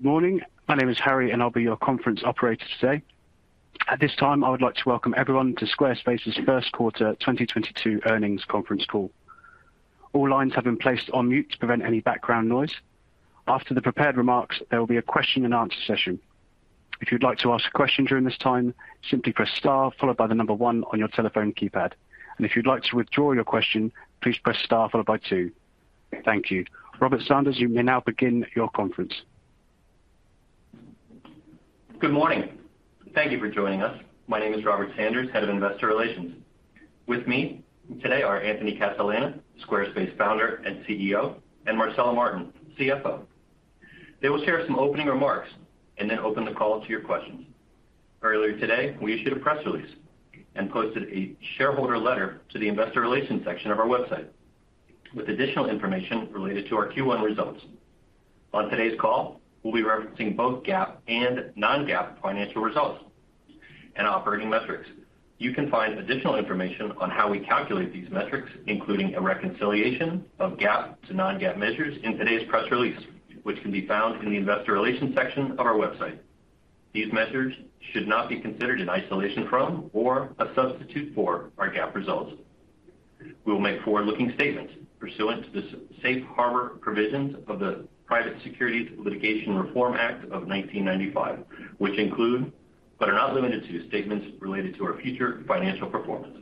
Good morning. My name is Harry, and I'll be your conference operator today. At this time, I would like to welcome everyone to Squarespace's first quarter 2022 earnings conference call. All lines have been placed on mute to prevent any background noise. After the prepared remarks, there will be a question and answer session. If you'd like to ask a question during this time, simply press star followed by the number one on your telephone keypad. If you'd like to withdraw your question, please press star followed by two. Thank you. Robert Sanders, you may now begin your conference. Good morning. Thank you for joining us. My name is Robert Sanders, Head of Investor Relations. With me today are Anthony Casalena, Squarespace Founder and CEO, and Marcela Martin, CFO. They will share some opening remarks and then open the call to your questions. Earlier today, we issued a press release and posted a shareholder letter to the investor relations section of our website with additional information related to our Q1 results. On today's call, we'll be referencing both GAAP and non-GAAP financial results and operating metrics. You can find additional information on how we calculate these metrics, including a reconciliation of GAAP to non-GAAP measures in today's press release, which can be found in the investor relations section of our website. These measures should not be considered in isolation from or a substitute for our GAAP results. We will make forward-looking statements pursuant to the Safe Harbor Provisions of the Private Securities Litigation Reform Act of 1995, which include, but are not limited to, statements related to our future financial performance.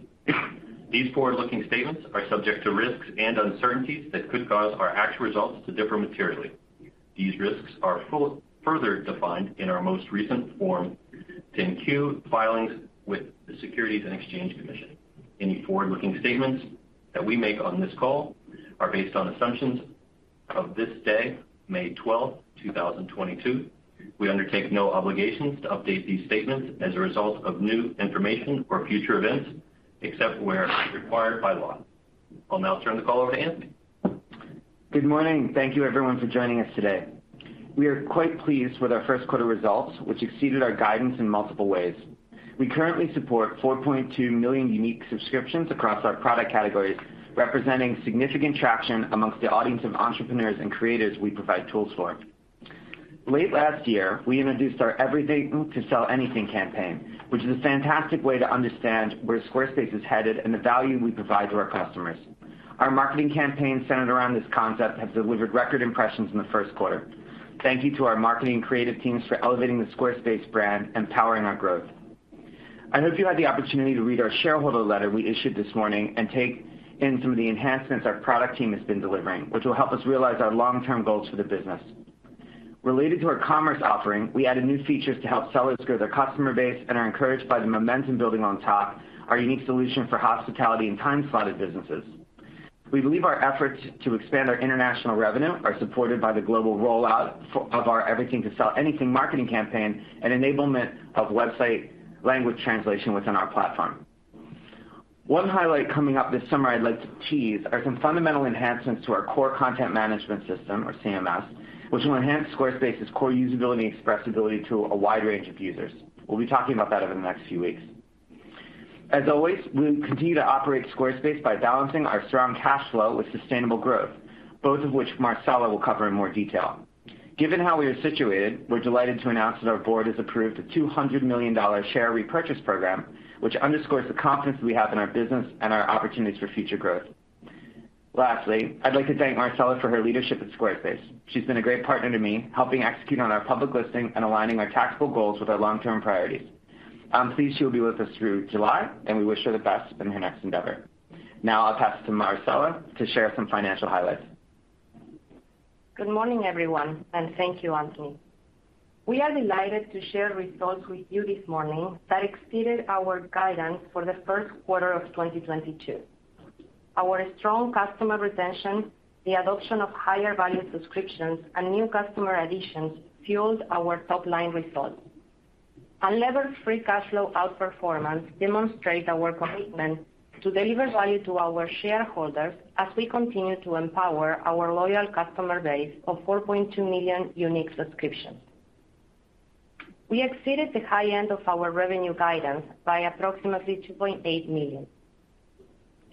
These forward-looking statements are subject to risks and uncertainties that could cause our actual results to differ materially. These risks are further defined in our most recent Form 10-Q filings with the Securities and Exchange Commission. Any forward-looking statements that we make on this call are based on assumptions of this day, May twelfth, two thousand twenty-two. We undertake no obligations to update these statements as a result of new information or future events, except where required by law. I'll now turn the call over to Anthony. Good morning. Thank you, everyone, for joining us today. We are quite pleased with our first quarter results, which exceeded our guidance in multiple ways. We currently support 4.2 million unique subscriptions across our product categories, representing significant traction amongst the audience of entrepreneurs and creators we provide tools for. Late last year, we introduced our Everything to Sell Anything campaign, which is a fantastic way to understand where Squarespace is headed and the value we provide to our customers. Our marketing campaign centered around this concept have delivered record impressions in the first quarter. Thank you to our marketing creative teams for elevating the Squarespace brand and powering our growth. I hope you had the opportunity to read our shareholder letter we issued this morning and take in, through the enhancements our product team has been delivering, which will help us realize our long-term goals for the business. Related to our Commerce offering, we added new features to help sellers grow their customer base and are encouraged by the momentum building on top, our unique solution for hospitality and time-slotted businesses. We believe our efforts to expand our international revenue are supported by the global rollout of our Everything to Sell Anything marketing campaign and enablement of website language translation within our platform. One highlight coming up this summer I'd like to tease are some fundamental enhancements to our core content management system, or CMS, which will enhance Squarespace's core usability and expressibility to a wide range of users. We'll be talking about that over the next few weeks. As always, we'll continue to operate Squarespace by balancing our strong cash flow with sustainable growth, both of which Marcela will cover in more detail. Given how we are situated, we're delighted to announce that our board has approved a $200 million share repurchase program, which underscores the confidence we have in our business and our opportunities for future growth. Lastly, I'd like to thank Marcela for her leadership at Squarespace. She's been a great partner to me, helping execute on our public listing and aligning our tactical goals with our long-term priorities. I'm pleased she'll be with us through July, and we wish her the best in her next endeavor. Now I'll pass it to Marcela to share some financial highlights. Good morning, everyone, and thank you, Anthony. We are delighted to share results with you this morning that exceeded our guidance for the first quarter of 2022. Our strong customer retention, the adoption of higher value subscriptions, and new customer additions fueled our top line results. Unlevered free cash flow outperformance demonstrate our commitment to deliver value to our shareholders as we continue to empower our loyal customer base of 4.2 million unique subscriptions. We exceeded the high end of our revenue guidance by approximately $2.8 million.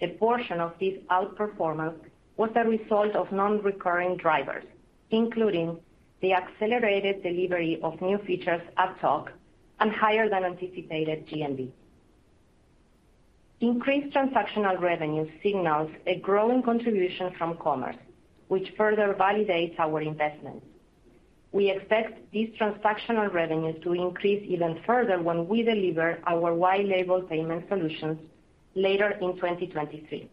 A portion of this outperformance was a result of non-recurring drivers, including the accelerated delivery of new features at Tock and higher than anticipated GMV. Increased transactional revenue signals a growing contribution from Commerce, which further validates our investments We expect these transactional revenues to increase even further when we deliver our white label payment solutions later in 2023.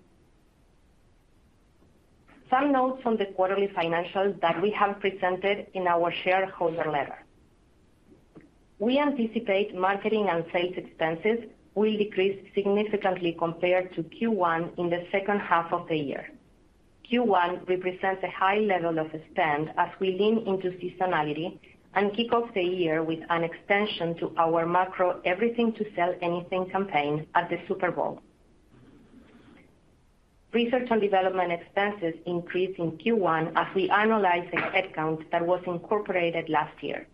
Some notes on the quarterly financials that we have presented in our shareholder letter. We anticipate marketing and sales expenses will decrease significantly compared to Q1 in the second half of the year. Q1 represents a high level of spend as we lean into seasonality and kick off the year with an extension to our macro Everything to Sell Anything campaign at the Super Bowl. Research and development expenses increased in Q1 as we annualize a headcount that was incorporated last year.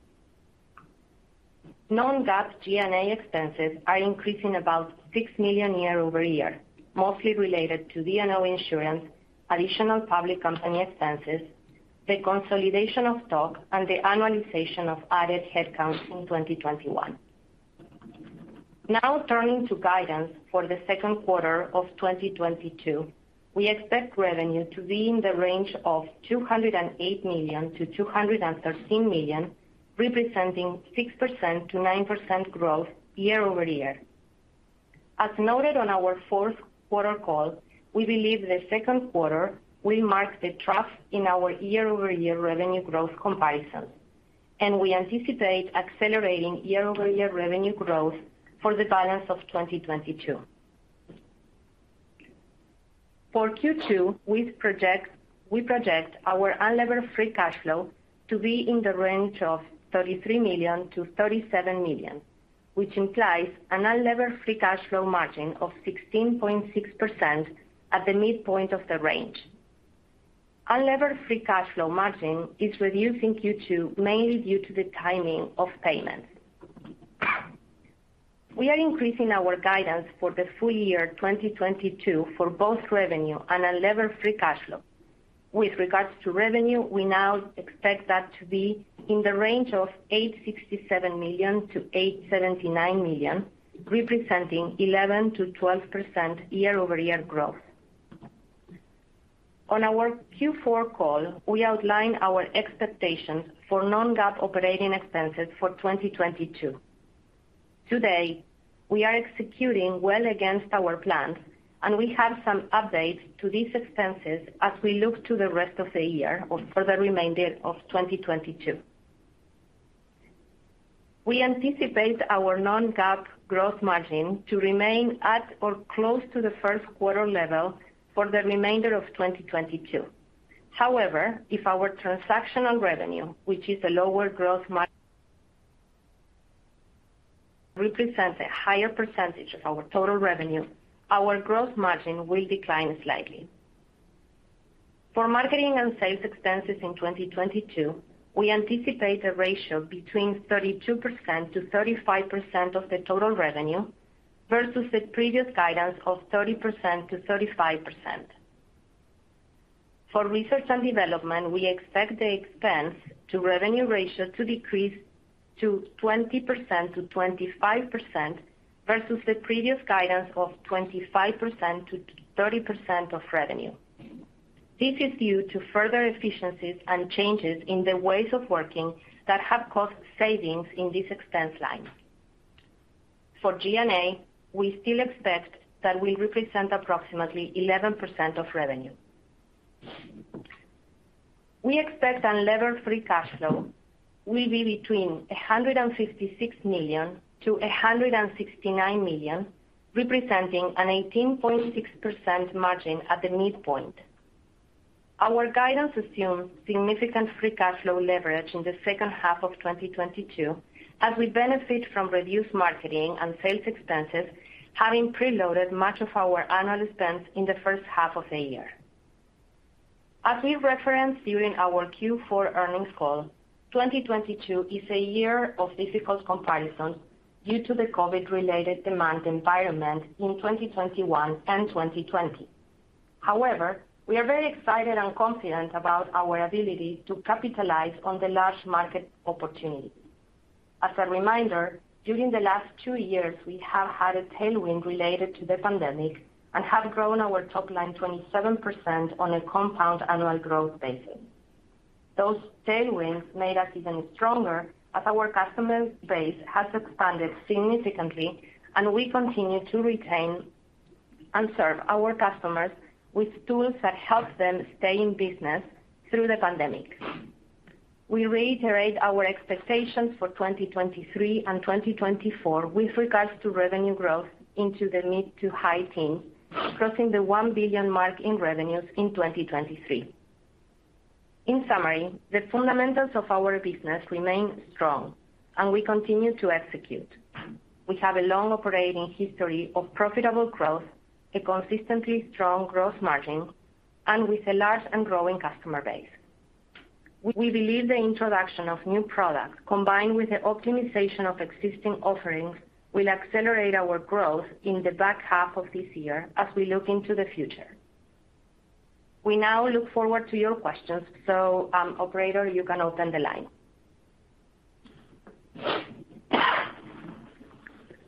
non-GAAP G&A expenses are increasing about $6 million year-over-year, mostly related to D&O insurance, additional public company expenses, the consolidation of Tock, and the annualization of added headcount in 2021. Now turning to guidance for the second quarter of 2022. We expect revenue to be in the range of $208 million-$213 million, representing 6%-9% growth year-over-year. As noted on our fourth quarter call, we believe the second quarter will mark the trough in our year-over-year revenue growth comparisons, and we anticipate accelerating year-over-year revenue growth for the balance of 2022. For Q2, we project our unlevered free cash flow to be in the range of $33 million-$37 million, which implies an unlevered free cash flow margin of 16.6% at the midpoint of the range. Unlevered free cash flow margin is reducing in Q2 mainly due to the timing of payments. We are increasing our guidance for the full year 2022 for both revenue and unlevered free cash flow. With regards to revenue, we now expect that to be in the range of $867 million-$879 million, representing 11%-12% year-over-year growth. On our Q4 call, we outlined our expectations for non-GAAP operating expenses for 2022. Today, we are executing well against our plans, and we have some updates to these expenses as we look to the rest of the year or for the remainder of 2022. We anticipate our non-GAAP gross margin to remain at or close to the first quarter level for the remainder of 2022. However, if our transactional revenue represents a higher percentage of our total revenue, our gross margin will decline slightly. For marketing and sales expenses in 2022, we anticipate a ratio between 32%-35% of the total revenue versus the previous guidance of 30%-35%. For research and development, we expect the expense to revenue ratio to decrease to 20%-25% versus the previous guidance of 25%-30% of revenue. This is due to further efficiencies and changes in the ways of working that have caused savings in this expense line. For G&A, we still expect that will represent approximately 11% of revenue. We expect unlevered free cash flow will be between $156 million-$169 million, representing an 18.6% margin at the midpoint. Our guidance assumes significant free cash flow leverage in the second half of 2022 as we benefit from reduced marketing and sales expenses, having preloaded much of our annual spend in the first half of the year. As we referenced during our Q4 earnings call, 2022 is a year of difficult comparisons due to the COVID-related demand environment in 2021 and 2020. However, we are very excited and confident about our ability to capitalize on the large market opportunity. As a reminder, during the last two years, we have had a tailwind related to the pandemic and have grown our top line 27% on a compound annual growth basis. Those tailwinds made us even stronger as our customer base has expanded significantly and we continue to retain and serve our customers with tools that help them stay in business through the pandemic. We reiterate our expectations for 2023 and 2024 with regards to revenue growth into the mid- to high teens%, crossing the $1 billion mark in revenues in 2023. In summary, the fundamentals of our business remain strong and we continue to execute. We have a long operating history of profitable growth, a consistently strong growth margin, and with a large and growing customer base. We believe the introduction of new products, combined with the optimization of existing offerings, will accelerate our growth in the back half of this year as we look into the future. We now look forward to your questions. Operator, you can open the line.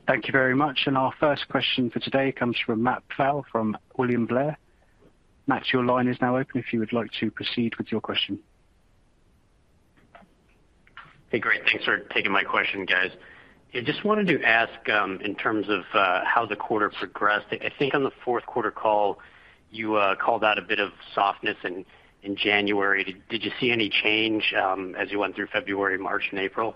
Thank you very much. Our first question for today comes from Matt Pfau from William Blair. Matt, your line is now open if you would like to proceed with your question. Hey, great. Thanks for taking my question, guys. I just wanted to ask, in terms of, how the quarter progressed. I think on the fourth quarter call you called out a bit of softness in January. Did you see any change, as you went through February, March and April?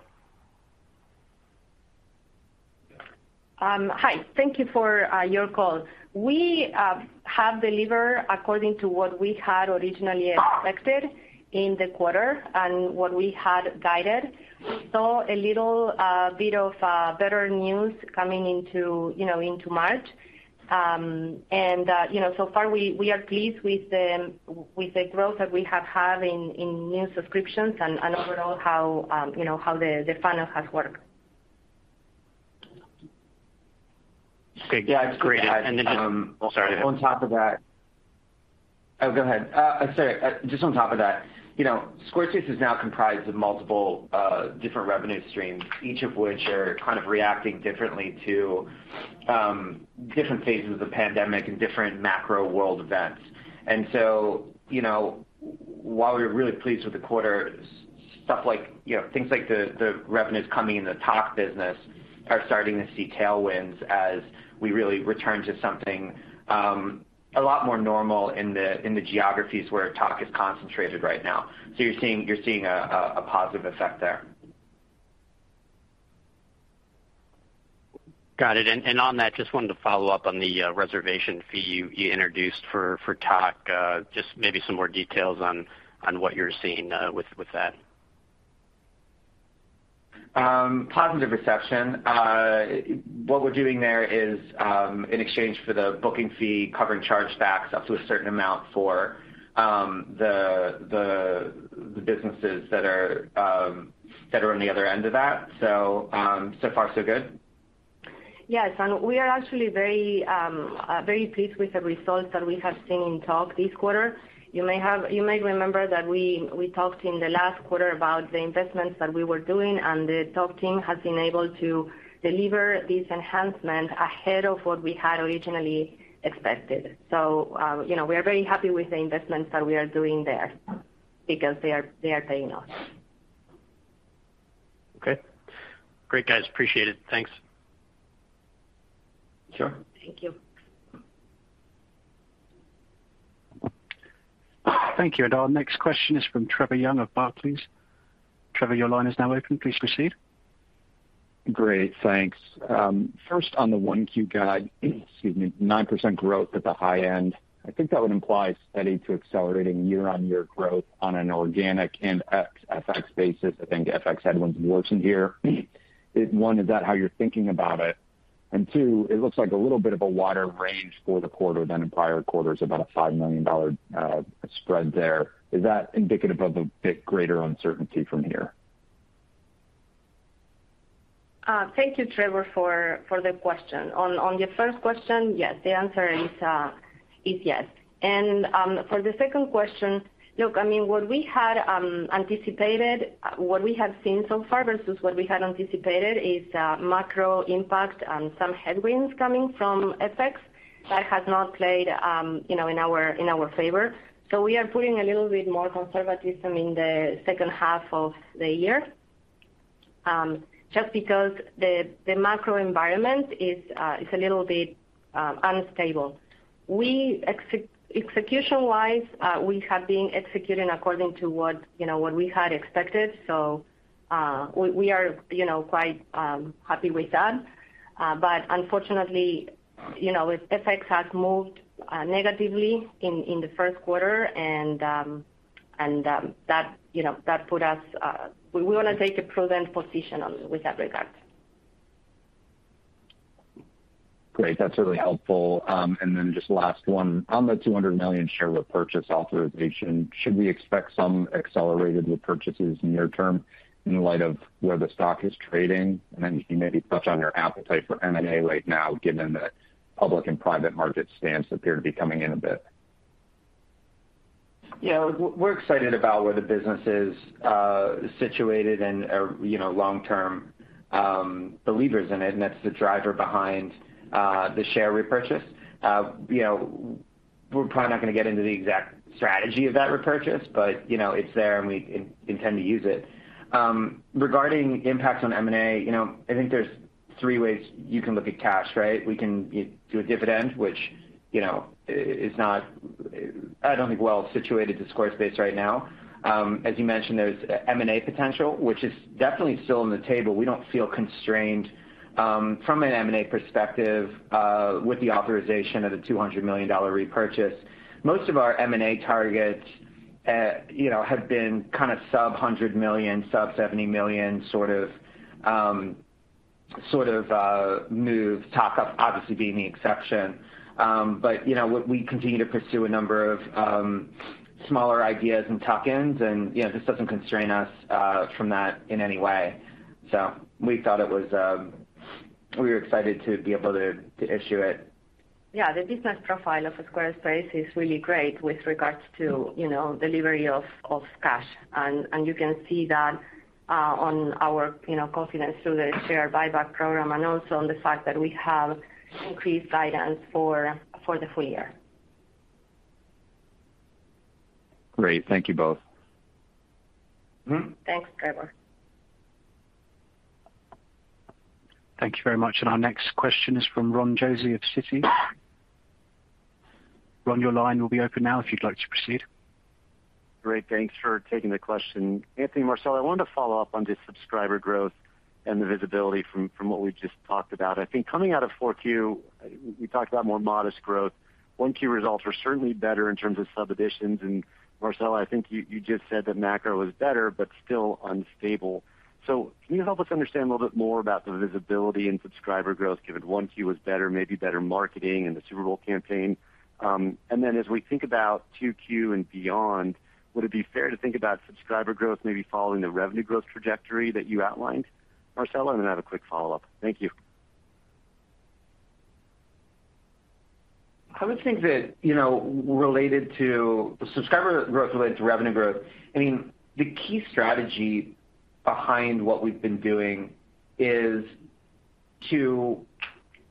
Hi. Thank you for your call. We have delivered according to what we had originally expected in the quarter and what we had guided. We saw a little bit of better news coming into, you know, into March. You know, so far we are pleased with the growth that we have had in new subscriptions and overall how, you know, how the funnel has worked. Yeah, it's great. And then just Um. Sorry. Just on top of that, you know, Squarespace is now comprised of multiple different revenue streams, each of which are kind of reacting differently to different phases of the pandemic and different macro world events. While we were really pleased with the quarter, stuff like, you know, things like the revenues coming in the Tock business are starting to see tailwinds as we really return to something a lot more normal in the geographies where Tock is concentrated right now. You're seeing a positive effect there. Got it. On that, just wanted to follow up on the reservation fee you introduced for Tock. Just maybe some more details on what you're seeing with that. Positive reception. What we're doing there is, in exchange for the booking fee covering chargebacks up to a certain amount for the businesses that are on the other end of that. So far so good. Yes. We are actually very pleased with the results that we have seen in Tock this quarter. You may remember that we talked in the last quarter about the investments that we were doing, and the Tock team has been able to deliver these enhancements ahead of what we had originally expected. You know, we are very happy with the investments that we are doing there because they are paying off. Okay. Great, guys. Appreciate it. Thanks. Sure. Thank you. Thank you. Our next question is from Trevor Young of Barclays. Trevor, your line is now open. Please proceed. Great, thanks. First on the 1Q guide, excuse me, 9% growth at the high end. I think that would imply steady to accelerating year-on-year growth on an organic and ex FX basis. I think FX headwinds worsen here. One, is that how you're thinking about it? Two, it looks like a little bit of a wider range for the quarter than in prior quarters, about a $5 million spread there. Is that indicative of a bit greater uncertainty from here? Thank you, Trevor, for the question. On your first question, yes. The answer is yes. For the second question, look, I mean, what we had anticipated, what we have seen so far versus what we had anticipated is macro impact and some headwinds coming from FX that has not played you know, in our favor. We are putting a little bit more conservatism in the second half of the year, just because the macro environment is a little bit unstable. Execution-wise, we have been executing according to what you know, what we had expected, so we are you know, quite happy with that. Unfortunately, you know, FX has moved negatively in the first quarter and that put us. We wanna take a prudent position on it in that regard. Great. That's really helpful. Just last one. On the $200 million share repurchase authorization, should we expect some accelerated repurchases near term in light of where the stock is trading? If you maybe touch on your appetite for M&A right now, given the public and private market valuations appear to be coming in a bit. Yeah. We're excited about where the business is situated and are, you know, long-term believers in it, and that's the driver behind the share repurchase. You know, we're probably not gonna get into the exact strategy of that repurchase, but, you know, it's there, and we intend to use it. Regarding impact on M&A, you know, I think there's three ways you can look at cash, right? We can do a dividend, which, you know, is not, I don't think, well situated to Squarespace right now. As you mentioned, there's M&A potential, which is definitely still on the table. We don't feel constrained from an M&A perspective with the authorization of the $200 million repurchase. Most of our M&A targets, you know, have been kind of sub-$100 million, sub-$70 million sort of, Tock, obviously being the exception. You know, we continue to pursue a number of smaller ideas and tuck-ins and, you know, this doesn't constrain us from that in any way. We thought it was. We were excited to be able to issue it. Yeah. The business profile of Squarespace is really great with regards to, you know, delivery of cash. You can see that on our, you know, confidence through the share buyback program and also on the fact that we have increased guidance for the full year. Great. Thank you both. Mm-hmm. Thanks, Trevor. Thank you very much. Our next question is from Ron Josey of Citi. Ron, your line will be open now if you'd like to proceed. Great. Thanks for taking the question. Anthony, Marcela, I wanted to follow up on the subscriber growth and the visibility from what we just talked about. I think coming out of 4Q, we talked about more modest growth. 1Q results were certainly better in terms of sub additions. Marcela, I think you just said that macro was better but still unstable. Can you help us understand a little bit more about the visibility in subscriber growth, given 1Q was better, maybe better marketing and the Super Bowl campaign? As we think about 2Q and beyond, would it be fair to think about subscriber growth maybe following the revenue growth trajectory that you outlined? Marcela, I have a quick follow-up. Thank you. I would think that, you know, related to subscriber growth relates to revenue growth. And, the key strategy behind what we've been doing is to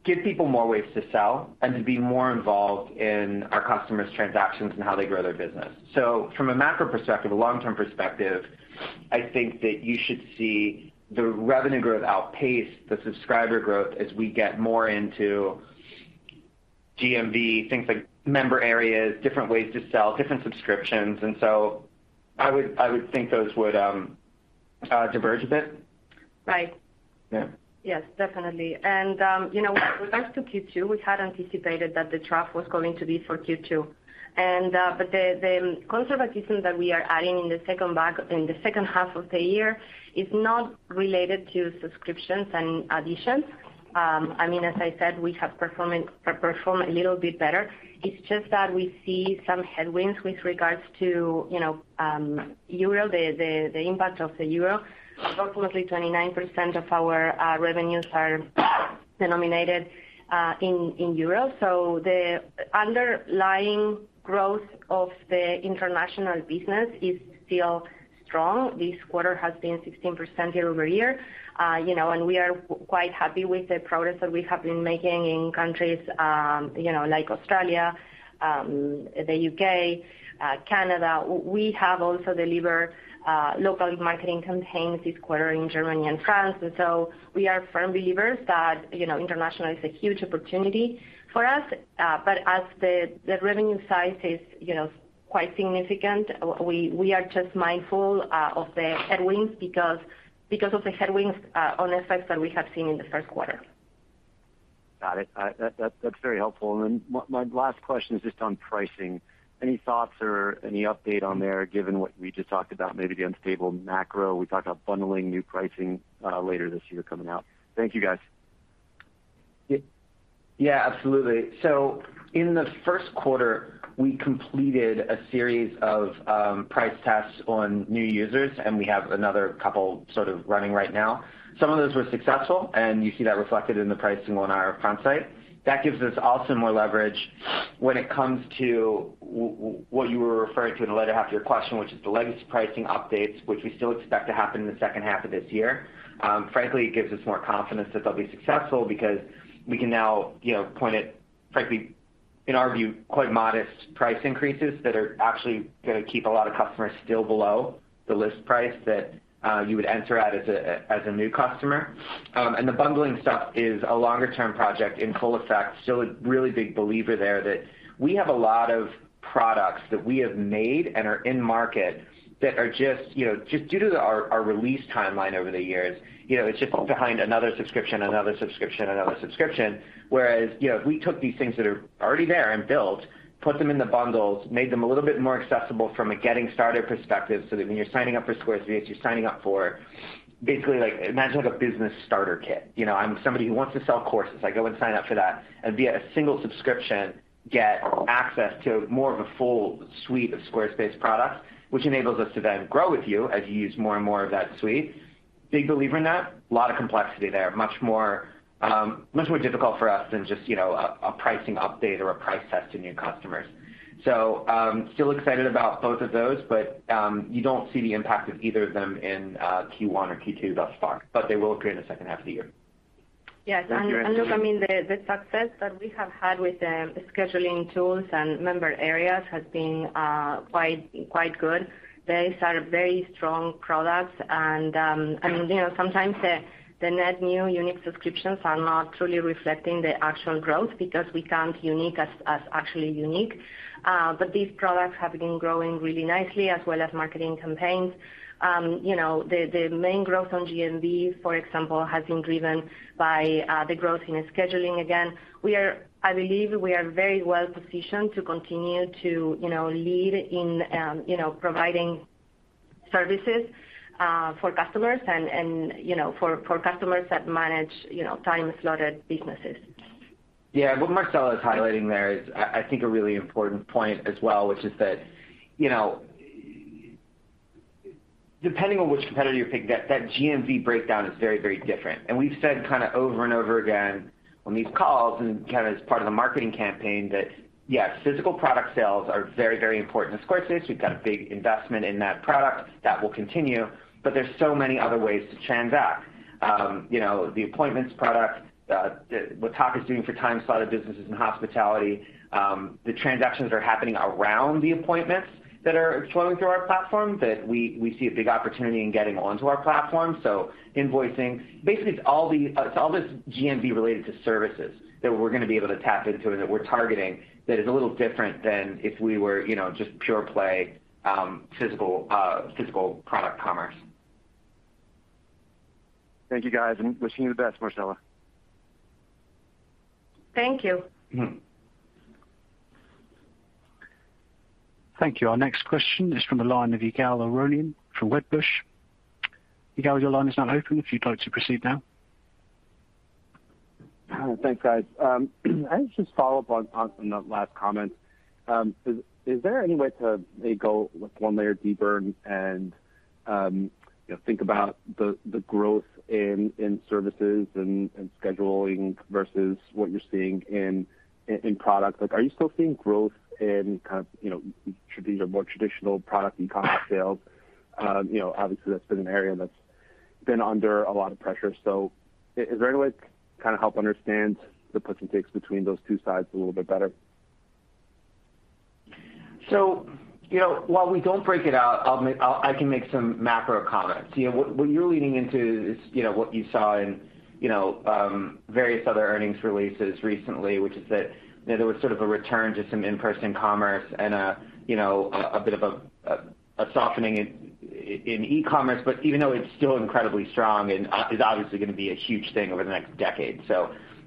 give people more ways to sell and to be more involved in our customers' transactions and how they grow their business. From a macro perspective, a long-term perspective, I think that you should see the revenue growth outpace the subscriber growth as we get more into GMV, things like Member Areas, different ways to sell, different subscriptions. I would think those would diverge a bit. Right. Yeah. Yes, definitely. You know, with regards to Q2, we had anticipated that the trough was going to be for Q2. The conservatism that we are adding in the second half of the year is not related to subscriptions and additions. I mean, as I said, we have performed a little bit better. It's just that we see some headwinds with regards to, you know, euro, the impact of the euro. Approximately 29% of our revenues are denominated in euro. The underlying growth of the international business is still strong. This quarter has been 16% year-over-year. You know, we are quite happy with the progress that we have been making in countries, you know, like Australia, the U.K., Canada We have also delivered local marketing campaigns this quarter in Germany and France. We are firm believers that, you know, international is a huge opportunity for us. As the revenue size is, you know, quite significant, we are just mindful of the headwinds because of the headwinds on FX effects that we have seen in the first quarter. Got it. That’s very helpful. Then my last question is just on pricing. Any thoughts or any update on there, given what we just talked about, maybe the unstable macro. We talked about bundling new pricing later this year coming out. Thank you, guys. Yeah. Yeah, absolutely. In the first quarter, we completed a series of price tests on new users, and we have another couple sort of running right now. Some of those were successful, and you see that reflected in the pricing on our front site. That gives us also more leverage when it comes to what you were referring to in the latter half of your question, which is the legacy pricing updates, which we still expect to happen in the second half of this year. Frankly, it gives us more confidence that they'll be successful because we can now, you know, point at, frankly, in our view, quite modest price increases that are actually gonna keep a lot of customers still below the list price that you would enter at as a new customer. The bundling stuff is a longer-term project in full effect. Still a really big believer there that we have a lot of products that we have made and are in market that are just, you know, just due to our release timeline over the years. You know, it's just behind another subscription, another subscription, another subscription. Whereas, you know, if we took these things that are already there and built, put them in the bundles, made them a little bit more accessible from a getting started perspective, so that when you're signing up for Squarespace, you're signing up for basically like imagine like a business starter kit. You know, I'm somebody who wants to sell courses. I go and sign up for that and via a single subscription, get access to more of a full suite of Squarespace products, which enables us to then grow with you as you use more and more of that suite. Big believer in that, a lot of complexity there. Much more difficult for us than just, you know, a pricing update or a price test to new customers. Still excited about both of those, but you don't see the impact of either of them in Q1 or Q2 thus far, but they will appear in the second half of the year. Yes. Look, I mean, the success that we have had with the Scheduling tools and Member Areas has been quite good. These are very strong products and, I mean, you know, sometimes the net new unique subscriptions are not truly reflecting the actual growth because we count unique as actually unique. These products have been growing really nicely as well as marketing campaigns. You know, the main growth on GMV, for example, has been driven by the growth in Scheduling again. I believe we are very well positioned to continue to, you know, lead in, you know, providing services for customers and, you know, for customers that manage, you know, time-slotted businesses. Yeah. What Marcela is highlighting there is I think a really important point as well, which is that, you know, depending on which competitor you pick, that GMV breakdown is very, very different. We've said kind of over and over again on these calls and kind of as part of the marketing campaign that, yes, physical product sales are very, very important to Squarespace. We've got a big investment in that product. That will continue, but there's so many other ways to transact. You know, the appointments product, what Tock is doing for time-slotted businesses and hospitality, the transactions are happening around the appointments that are flowing through our platform that we see a big opportunity in getting onto our platform. Invoicing, basically it's all this GMV related to services that we're gonna be able to tap into and that we're targeting that is a little different than if we were, you know, just pure play, physical product commerce. Thank you, guys, and wishing you the best, Marcela. Thank you. Mm-hmm. Thank you. Our next question is from the line of Ygal Arounian from Wedbush. Yigal, your line is now open if you'd like to proceed now. Thanks, guys. I just follow up on some of the last comments. Is there any way to maybe go like one layer deeper and? You know, think about the growth in services and scheduling versus what you're seeing in products. Like, are you still seeing growth in kind of, you know, the more traditional product and commerce sales? You know, obviously, that's been an area that's been under a lot of pressure. Is there any way to kind of help understand the puts and takes between those two sides a little bit better? You know, while we don't break it out, I can make some macro comments. You know, what you're leading into is, you know, what you saw in, you know, various other earnings releases recently, which is that, you know, there was sort of a return to some in-person commerce and a softening in e-commerce, but even though it's still incredibly strong and is obviously gonna be a huge thing over the next decade.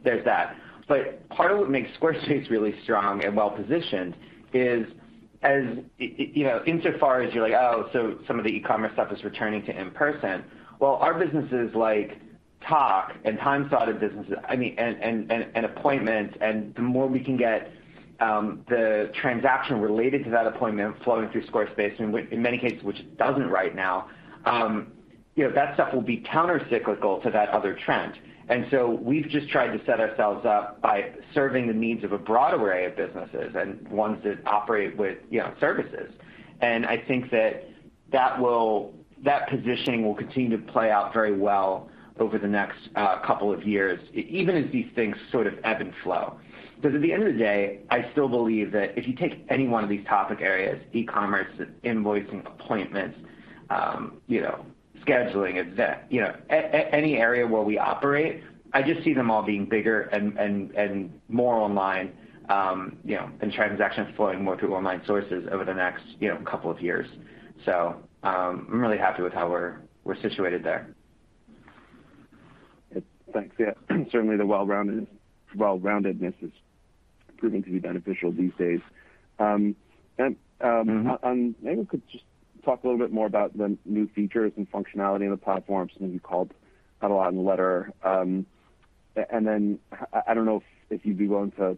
There's that. Part of what makes Squarespace really strong and well-positioned is as, you know, insofar as you're like, "Oh, so some of the e-commerce stuff is returning to in-person," well, our businesses like Tock and time-slotted businesses, I mean, and Appointments, and the more we can get the transaction related to that appointment flowing through Squarespace, and which in many cases it doesn't right now, you know, that stuff will be countercyclical to that other trend. We've just tried to set ourselves up by serving the needs of a broader array of businesses and ones that operate with, you know, services. I think that positioning will continue to play out very well over the next couple of years, even as these things sort of ebb and flow. Because at the end of the day, I still believe that if you take any one of these topic areas, e-commerce, invoicing, appointments, you know, scheduling, event, you know, any area where we operate, I just see them all being bigger and more online, you know, and transactions flowing more through online sources over the next, you know, couple of years. I'm really happy with how we're situated there. Thanks. Yeah. Certainly, the well-roundedness is proving to be beneficial these days. Mm-hmm. Maybe we could just talk a little bit more about the new features and functionality in the platform, something you called out a lot in the letter. Then I don't know if you'd be willing to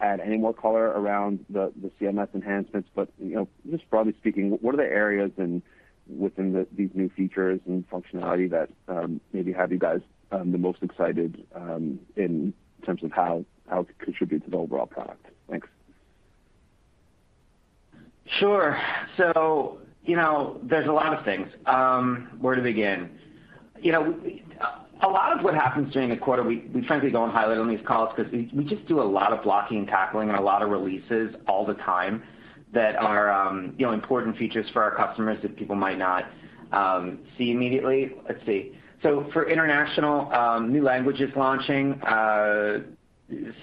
add any more color around the CMS enhancements. You know, just broadly speaking, what are the areas and within these new features and functionality that maybe have you guys the most excited in terms of how it could contribute to the overall product? Thanks. Sure. You know, there's a lot of things. Where to begin? You know, a lot of what happens during the quarter, we frankly don't highlight on these calls 'cause we just do a lot of blocking and tackling and a lot of releases all the time that are, you know, important features for our customers that people might not see immediately. Let's see. For international, new languages launching,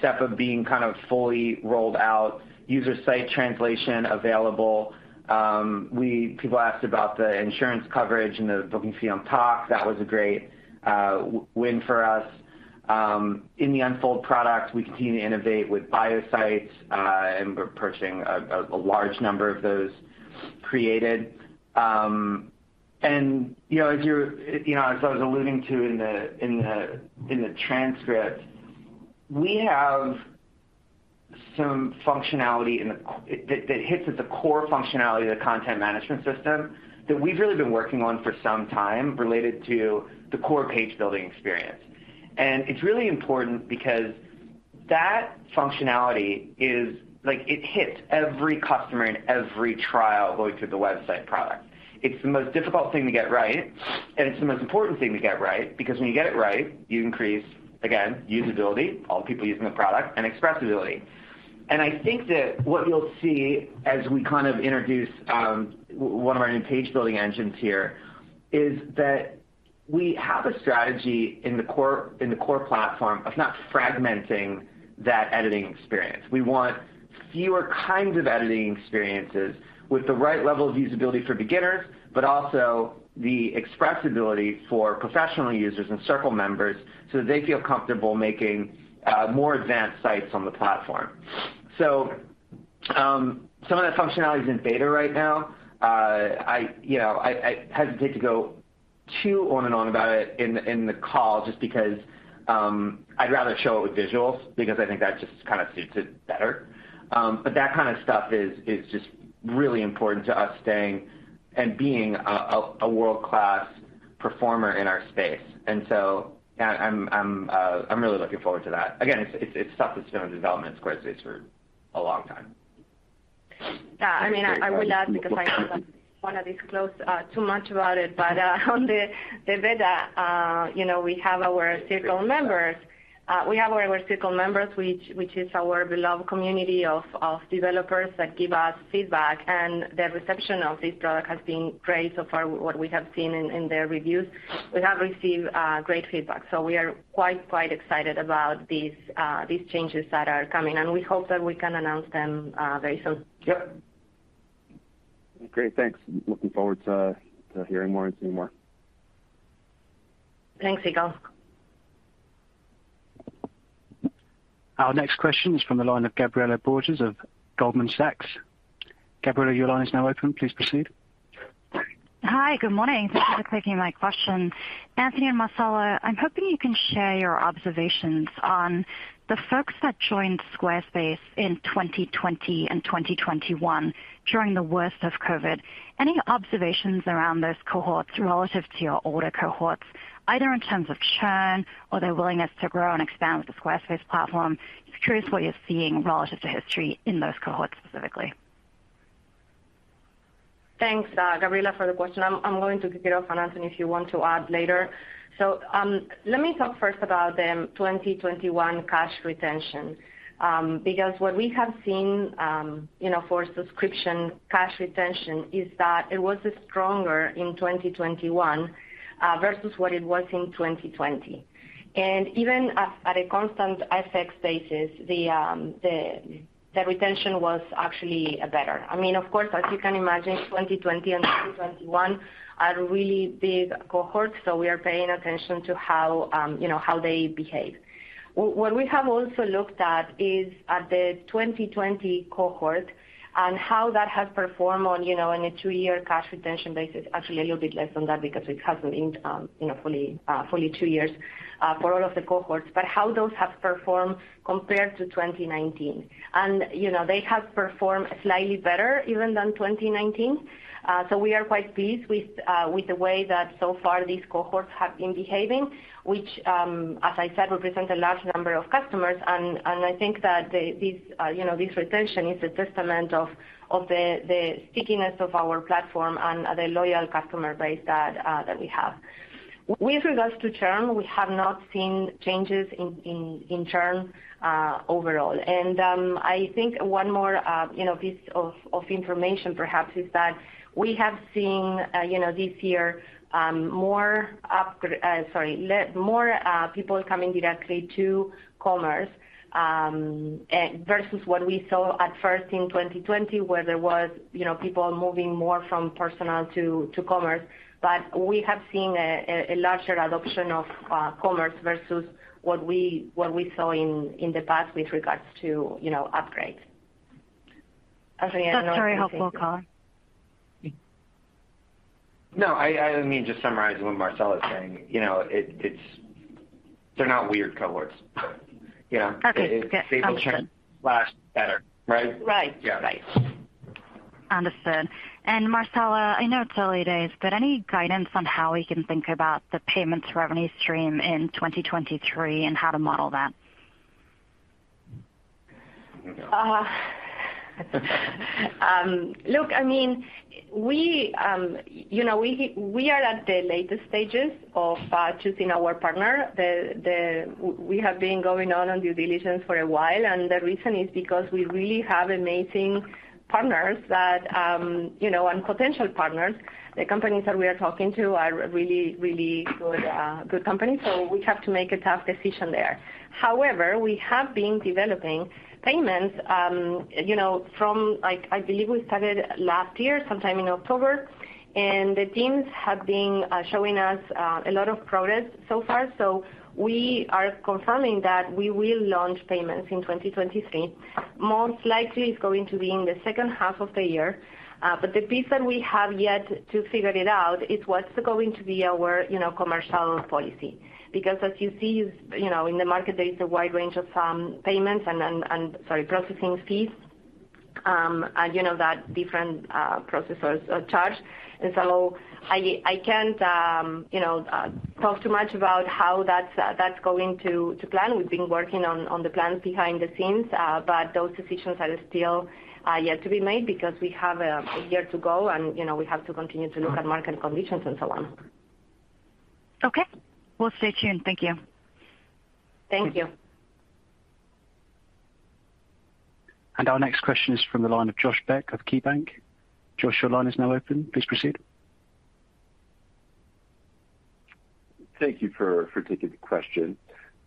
SEPA being kind of fully rolled out, user site translation available. People asked about the insurance coverage and the booking fee on Tock. That was a great win for us. In the Unfold product, we continue to innovate with Bio Sites, and we're approaching a large number of those created. You know, as you're, you know, as I was alluding to in the transcript, we have some functionality that hits at the core functionality of the content management system that we've really been working on for some time related to the core page building experience. It's really important because that functionality is, like, it hits every customer in every trial going through the website product. It's the most difficult thing to get right, and it's the most important thing to get right because when you get it right, you increase, again, usability, all people using the product, and expressibility. I think that what you'll see as we kind of introduce one of our new page building engines here is that we have a strategy in the core platform of not fragmenting that editing experience. We want fewer kinds of editing experiences with the right level of usability for beginners, but also the expressibility for professional users and Circle members, so they feel comfortable making more advanced sites on the platform. Some of that functionality is in beta right now. I, you know, hesitate to go on and on about it in the call just because I'd rather show it with visuals because I think that just kind of suits it better. That kind of stuff is just really important to us staying and being a world-class performer in our space. I'm really looking forward to that. Again, it's stuff that's been in development at Squarespace for a long time. Great. Yeah. I mean, I will add because I don't wanna disclose too much about it. On the beta, you know, we have our Circle members, which is our beloved community of developers that give us feedback, and the reception of this product has been great so far, what we have seen in their reviews. We have received great feedback. We are quite excited about these changes that are coming, and we hope that we can announce them very soon. Yep. Great. Thanks. Looking forward to hearing more and seeing more. Thanks, Ygal Arounian. Our next question is from the line of Gabriela Borges of Goldman Sachs. Gabriela, your line is now open. Please proceed. Hi. Good morning. Thanks for taking my question. Anthony and Marcela, I'm hoping you can share your observations on the folks that joined Squarespace in 2020 and 2021 during the worst of COVID. Any observations around those cohorts relative to your older cohorts, either in terms of churn or their willingness to grow and expand with the Squarespace platform? Just curious what you're seeing relative to history in those cohorts specifically. Thanks, Gabriela, for the question. I'm going to kick it off, and Anthony, if you want to add later. Let me talk first about the 2021 cash retention, because what we have seen, you know, for subscription cash retention is that it was stronger in 2021, versus what it was in 2020. Even at a constant FX basis, the retention was actually better. I mean, of course, as you can imagine, 2020 and 2021 are really big cohorts, so we are paying attention to how, you know, how they behave. What we have also looked at is the 2020 cohort and how that has performed on, you know, in a two-year cash retention basis, actually a little bit less than that because it hasn't been, you know, fully two years for all of the cohorts, but how those have performed compared to 2019. You know, they have performed slightly better even than 2019. So we are quite pleased with the way that so far these cohorts have been behaving, which, as I said, represents a large number of customers. I think that this retention is a testament of the stickiness of our platform and the loyal customer base that we have. With regards to churn, we have not seen changes in churn overall. I think one more, you know, piece of information perhaps is that we have seen, you know, this year, more people coming directly to Commerce, versus what we saw at first in 2020, where there was, you know, people moving more from personal to Commerce. We have seen a larger adoption of Commerce versus what we saw in the past with regards to, you know, upgrades. Anthony, I don't know if you want to That's very helpful. No, I mean, to summarize what Marcela is saying, you know, it's, they're not weird cohorts. You know? Okay. Yeah. Understood. They will churn less better, right? Right. Yeah. Right. Understood. Marcela, I know it's early days, but any guidance on how we can think about the payments revenue stream in 2023 and how to model that? Look, I mean, we are at the latest stages of choosing our partner. We have been going on due diligence for a while, and the reason is because we really have amazing partners, you know, and potential partners. The companies that we are talking to are really good companies, so we have to make a tough decision there. However, we have been developing payments, you know, from, like, I believe we started last year, sometime in October, and the teams have been showing us a lot of progress so far. We are confirming that we will launch payments in 2023. Most likely, it's going to be in the second half of the year. The piece that we have yet to figure it out is what's going to be our, you know, commercial policy. Because as you see, you know, in the market, there is a wide range of payments and processing fees, and, you know, that different processors charge. I can't, you know, talk too much about how that's going to plan. We've been working on the plan behind the scenes, but those decisions are still yet to be made because we have a year to go, and, you know, we have to continue to look at market conditions and so on. Okay. We'll stay tuned. Thank you. Thank you. Our next question is from the line of Josh Beck of KeyBanc. Josh, your line is now open. Please proceed. Thank you for taking the question.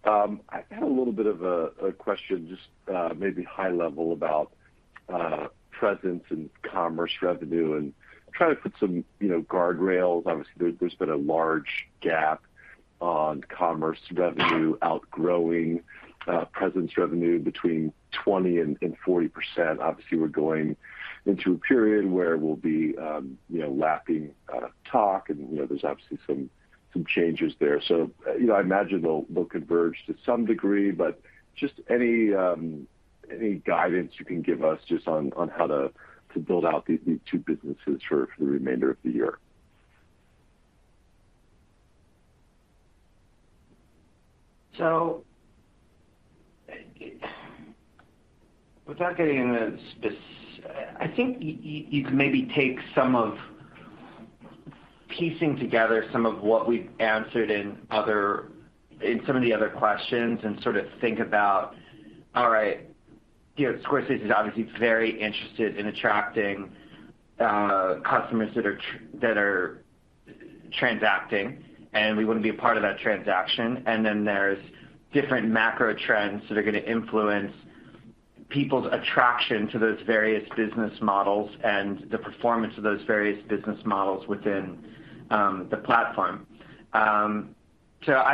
I had a little bit of a question, just maybe high level about presence and commerce revenue and try to put some, you know, guardrails. Obviously, there's been a large gap on commerce revenue outgrowing presence revenue between 20% and 40%. Obviously, we're going into a period where we'll be, you know, lapping Tock, and, you know, there's obviously some changes there. I imagine they'll converge to some degree, but just any guidance you can give us just on how to build out these two businesses for the remainder of the year. I think you can maybe take some of piecing together some of what we've answered in some of the other questions and sort of think about, all right, you know, Squarespace is obviously very interested in attracting customers that are transacting, and we wanna be a part of that transaction. Then there's different macro trends that are gonna influence people's attraction to those various business models and the performance of those various business models within the platform. I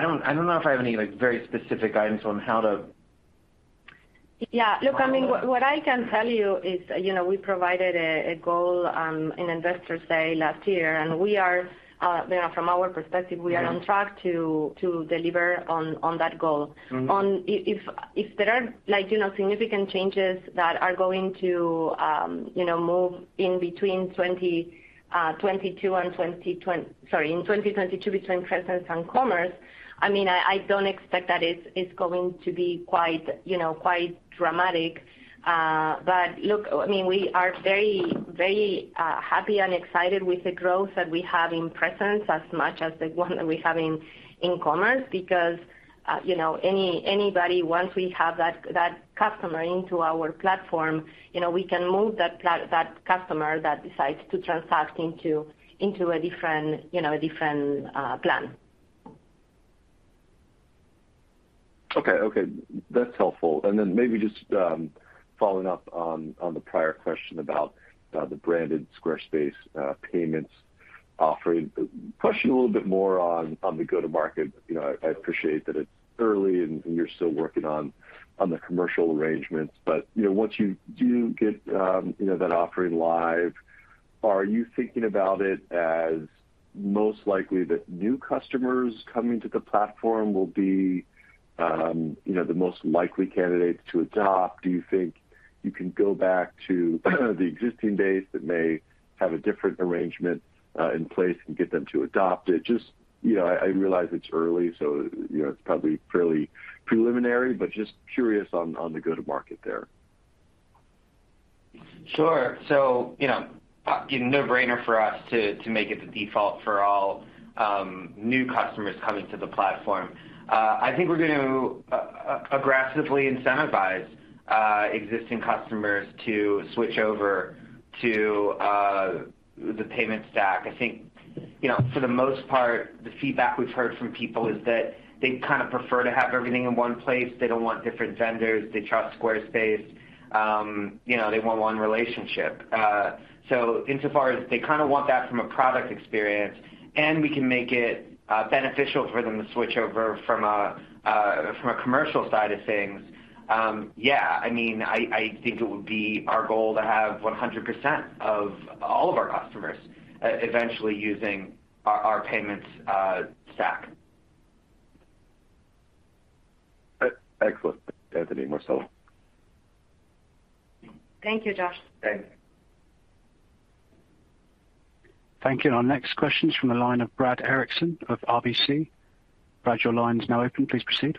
don't know if I have any, like, very specific guidance on how to Yeah. Look, I mean, what I can tell you is, you know, we provided a goal in Investor Day last year, and we are, you know, from our perspective, we are on track to deliver on that goal. Mm-hmm. If there are like, you know, significant changes that are going to move in between Presence and Commerce in 2022, I mean, I don't expect that it's going to be quite, you know, quite dramatic. Look, I mean, we are very, very happy and excited with the growth that we have in Presence as much as the one that we have in Commerce. Because, you know, anybody, once we have that customer into our platform, you know, we can move that customer that decides to transact into a different, you know, a different plan. Okay. That's helpful. Maybe just following up on the prior question about the branded Squarespace payments offering. Push a little bit more on the go-to-market. You know, I appreciate that it's early and you're still working on the commercial arrangements. You know, once you do get that offering live, are you thinking about it as most likely that new customers coming to the platform will be the most likely candidates to adopt? Do you think you can go back to the existing base that may have a different arrangement in place and get them to adopt it? Just, you know, I realize it's early, so, you know, it's probably fairly preliminary, but just curious on the go-to-market there. Sure. You know, a no-brainer for us to make it the default for all new customers coming to the platform. I think we're gonna aggressively incentivize existing customers to switch over to the payment stack. I think, you know, for the most part, the feedback we've heard from people is that they kind of prefer to have everything in one place. They don't want different vendors. They trust Squarespace. You know, they want one relationship. Insofar as they kind of want that from a product experience, and we can make it beneficial for them to switch over from a commercial side of things, yeah, I mean, I think it would be our goal to have 100% of all of our customers eventually using our payments stack. Excellent. Anthony Casalena. Thank you, Josh. Thanks. Thank you. Our next question is from the line of Brad Erickson of RBC. Brad, your line is now open. Please proceed.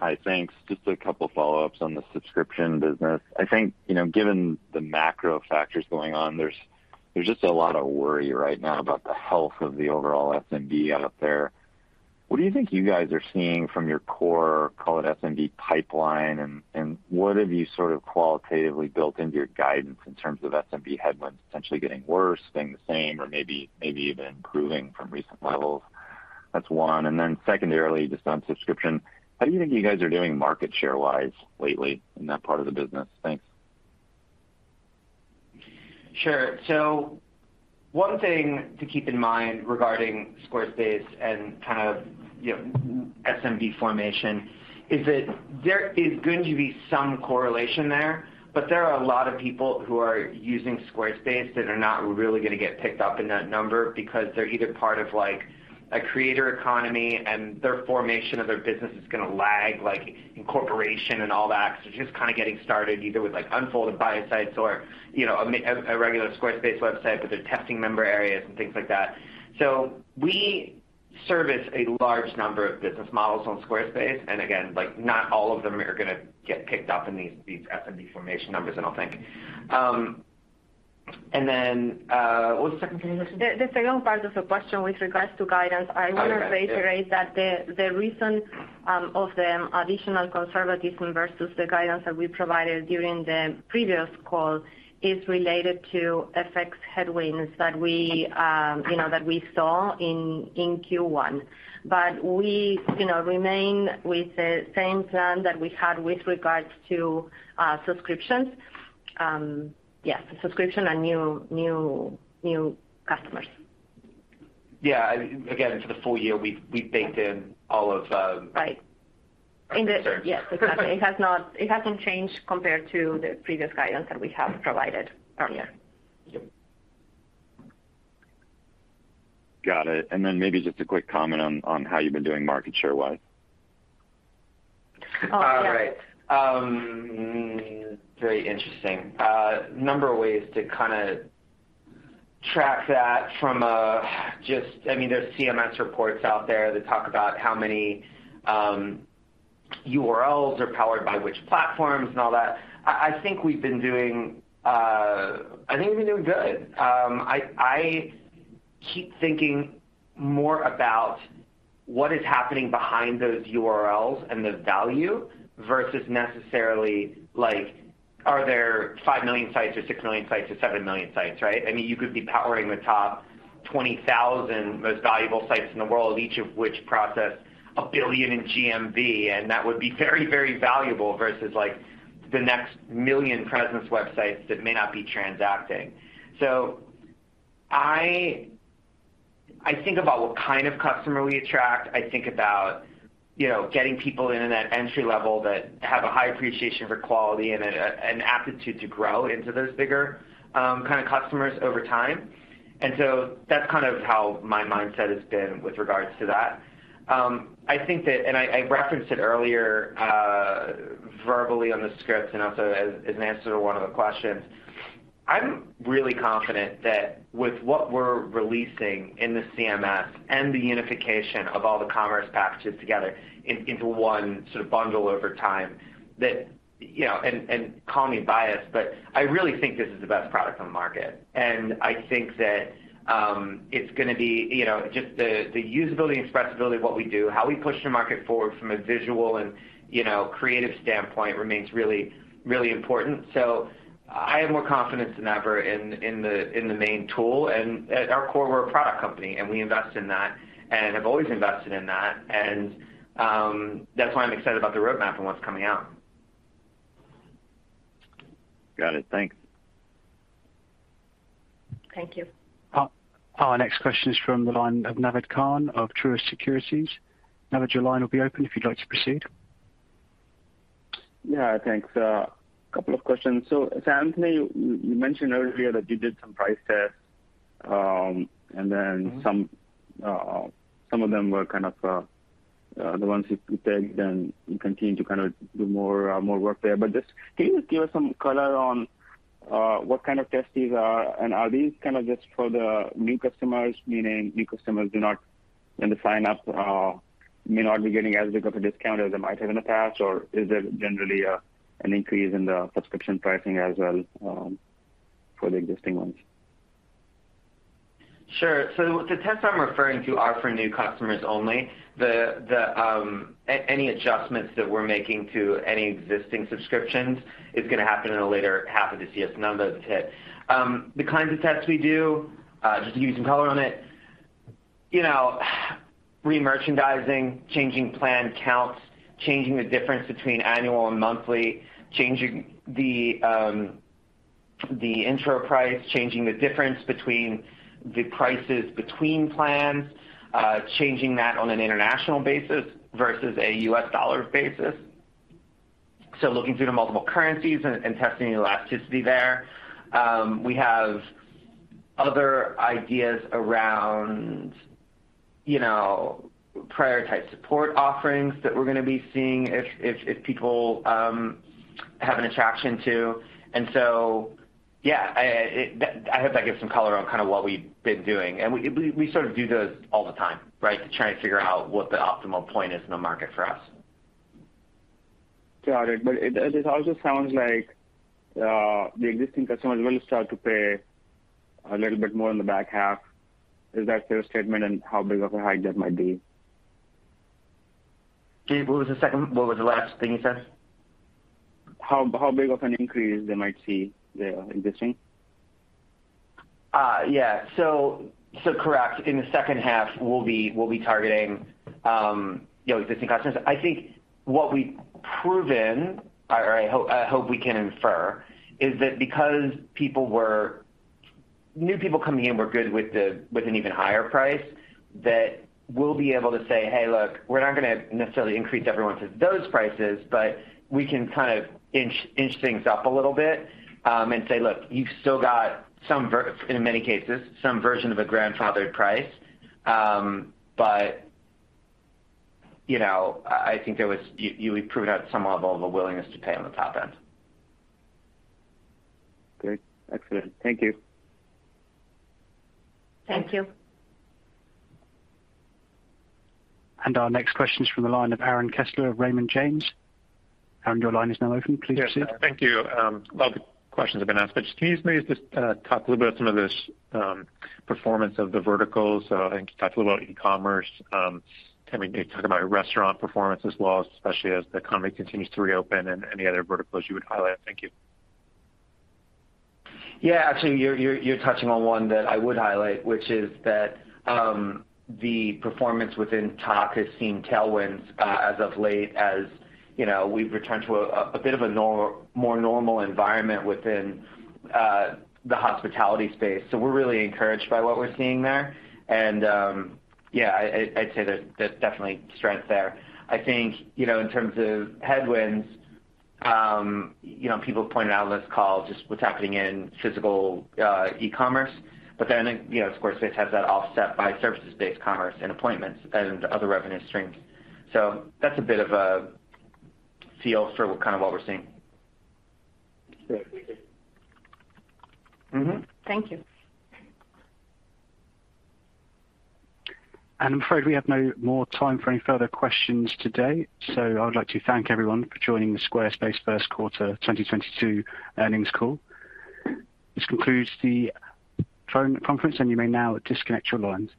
Hi. Thanks. Just a couple of follow-ups on the subscription business. I think, you know, given the macro factors going on, there's just a lot of worry right now about the health of the overall SMB out there. What do you think you guys are seeing from your core, call it SMB pipeline, and what have you sort of qualitatively built into your guidance in terms of SMB headwinds essentially getting worse, staying the same, or maybe even improving from recent levels? That's one. Secondarily, just on subscription, how do you think you guys are doing market share-wise lately in that part of the business? Thanks. Sure. One thing to keep in mind regarding Squarespace and kind of, you know, SMB formation is that there is going to be some correlation there, but there are a lot of people who are using Squarespace that are not really gonna get picked up in that number because they're either part of, like, a creator economy and their formation of their business is gonna lag, like, incorporation and all that. Just kind of getting started either with, like, Unfold Bio Sites or, you know, a regular Squarespace website, but they're testing Member Areas and things like that. We service a large number of business models on Squarespace, and again, like, not all of them are gonna get picked up in these SMB formation numbers, and I'll think. And then, what was the second thing you mentioned? The second part of the question with regards to guidance. Oh, guidance. Yeah. I want to reiterate that the reason of the additional conservatism versus the guidance that we provided during the previous call is related to FX headwinds that we saw in Q1. We, you know, remain with the same plan that we had with regards to subscriptions. Yes, subscription and new customers. Yeah. Again, for the full year, we baked in all of Right. Sorry. Yes, exactly. It hasn't changed compared to the previous guidance that we have provided earlier. Yeah. Got it. Maybe just a quick comment on how you've been doing market share-wise. Oh, yeah. All right. Very interesting. A number of ways to kinda track that from, just, I mean, there's CMS reports out there that talk about how many URLs are powered by which platforms and all that. I think we've been doing. I think we're doing good. I keep thinking more about what is happening behind those URLs and the value versus necessarily like. Are there 5 million sites or 6 million sites or 7 million sites, right? I mean, you could be powering the top 20,000 most valuable sites in the world, each of which process 1 billion in GMV, and that would be very, very valuable versus, like, the next million presence websites that may not be transacting. I think about what kind of customer we attract. I think about, you know, getting people in at an entry level that have a high appreciation for quality and an aptitude to grow into those bigger kind of customers over time. That's kind of how my mindset has been with regards to that. I think that, and I referenced it earlier verbally on the script and also as an answer to one of the questions. I'm really confident that with what we're releasing in the CMS and the unification of all the commerce packages together into one sort of bundle over time, that you know. Call me biased, but I really think this is the best product on the market. I think that it's gonna be, you know, just the usability and expressibility of what we do, how we push the market forward from a visual and, you know, creative standpoint remains really important. I have more confidence than ever in the main tool. At our core, we're a product company, and we invest in that and have always invested in that. That's why I'm excited about the roadmap and what's coming out. Got it. Thanks. Thank you. Our next question is from the line of Naved Khan of Truist Securities. Naved, your line will be open if you'd like to proceed. Yeah, thanks. Couple of questions. Anthony, you mentioned earlier that you did some price tests, and then- Mm-hmm Some of them were kind of the ones you tagged and you continue to kinda do more work there. Just can you give us some color on what kind of tests these are? Are these kind of just for the new customers, meaning new customers when they sign up may not be getting as big of a discount as they might have in the past, or is it generally an increase in the subscription pricing as well for the existing ones? Sure. So the tests I'm referring to are for new customers only. Any adjustments that we're making to any existing subscriptions is gonna happen in the later half of the CS number that's hit. The kinds of tests we do, just to give you some color on it, you know, remerchandising, changing plan counts, changing the difference between annual and monthly, changing the intro price, changing the difference between the prices between plans, changing that on an international basis versus a US dollar basis. Looking through the multiple currencies and testing the elasticity there. We have other ideas around, you know, priority type support offerings that we're gonna be seeing if people have an attraction to. Yeah, I hope that gives some color on kinda what we've been doing. We sort of do those all the time, right? To try and figure out what the optimal point is in the market for us. Got it. It also sounds like the existing customers will start to pay a little bit more in the back half. Is that a fair statement, and how big of a hike that might be? What was the last thing you said? How big of an increase they might see, the existing? Correct. In the second half, we'll be targeting existing customers. I think what we've proven, or I hope we can infer, is that because new people coming in were good with an even higher price, that we'll be able to say, "Hey, look, we're not gonna necessarily increase everyone to those prices," but we can kind of inch things up a little bit, and say, "Look, you've still got some in many cases, some version of a grandfathered price." But you know, I think there was. You would prove out some level of a willingness to pay on the top end. Great. Excellent. Thank you. Thank you. Our next question is from the line of Aaron Kessler of Raymond James. Aaron, your line is now open. Please proceed. Yes. Thank you. A lot of the questions have been asked, but can you just maybe talk a little bit about some of this performance of the verticals? I think you talked a little about e-commerce. Can you talk about restaurant performance as well, especially as the economy continues to reopen and any other verticals you would highlight? Thank you. Yeah. Actually, you're touching on one that I would highlight, which is that the performance within Tock has seen tailwinds as of late, as you know, we've returned to a bit of a more normal environment within the hospitality space. We're really encouraged by what we're seeing there. Yeah, I'd say there's definitely strength there. I think, you know, in terms of headwinds, you know, people have pointed out on this call just what's happening in physical e-commerce. I think, you know, Squarespace has that offset by services-based commerce and appointments and other revenue streams. That's a bit of a feel for kind of what we're seeing. Great. Thank you. Mm-hmm. Thank you. I'm afraid we have no more time for any further questions today, so I would like to thank everyone for joining the Squarespace first quarter 2022 earnings call. This concludes the phone conference, and you may now disconnect your lines.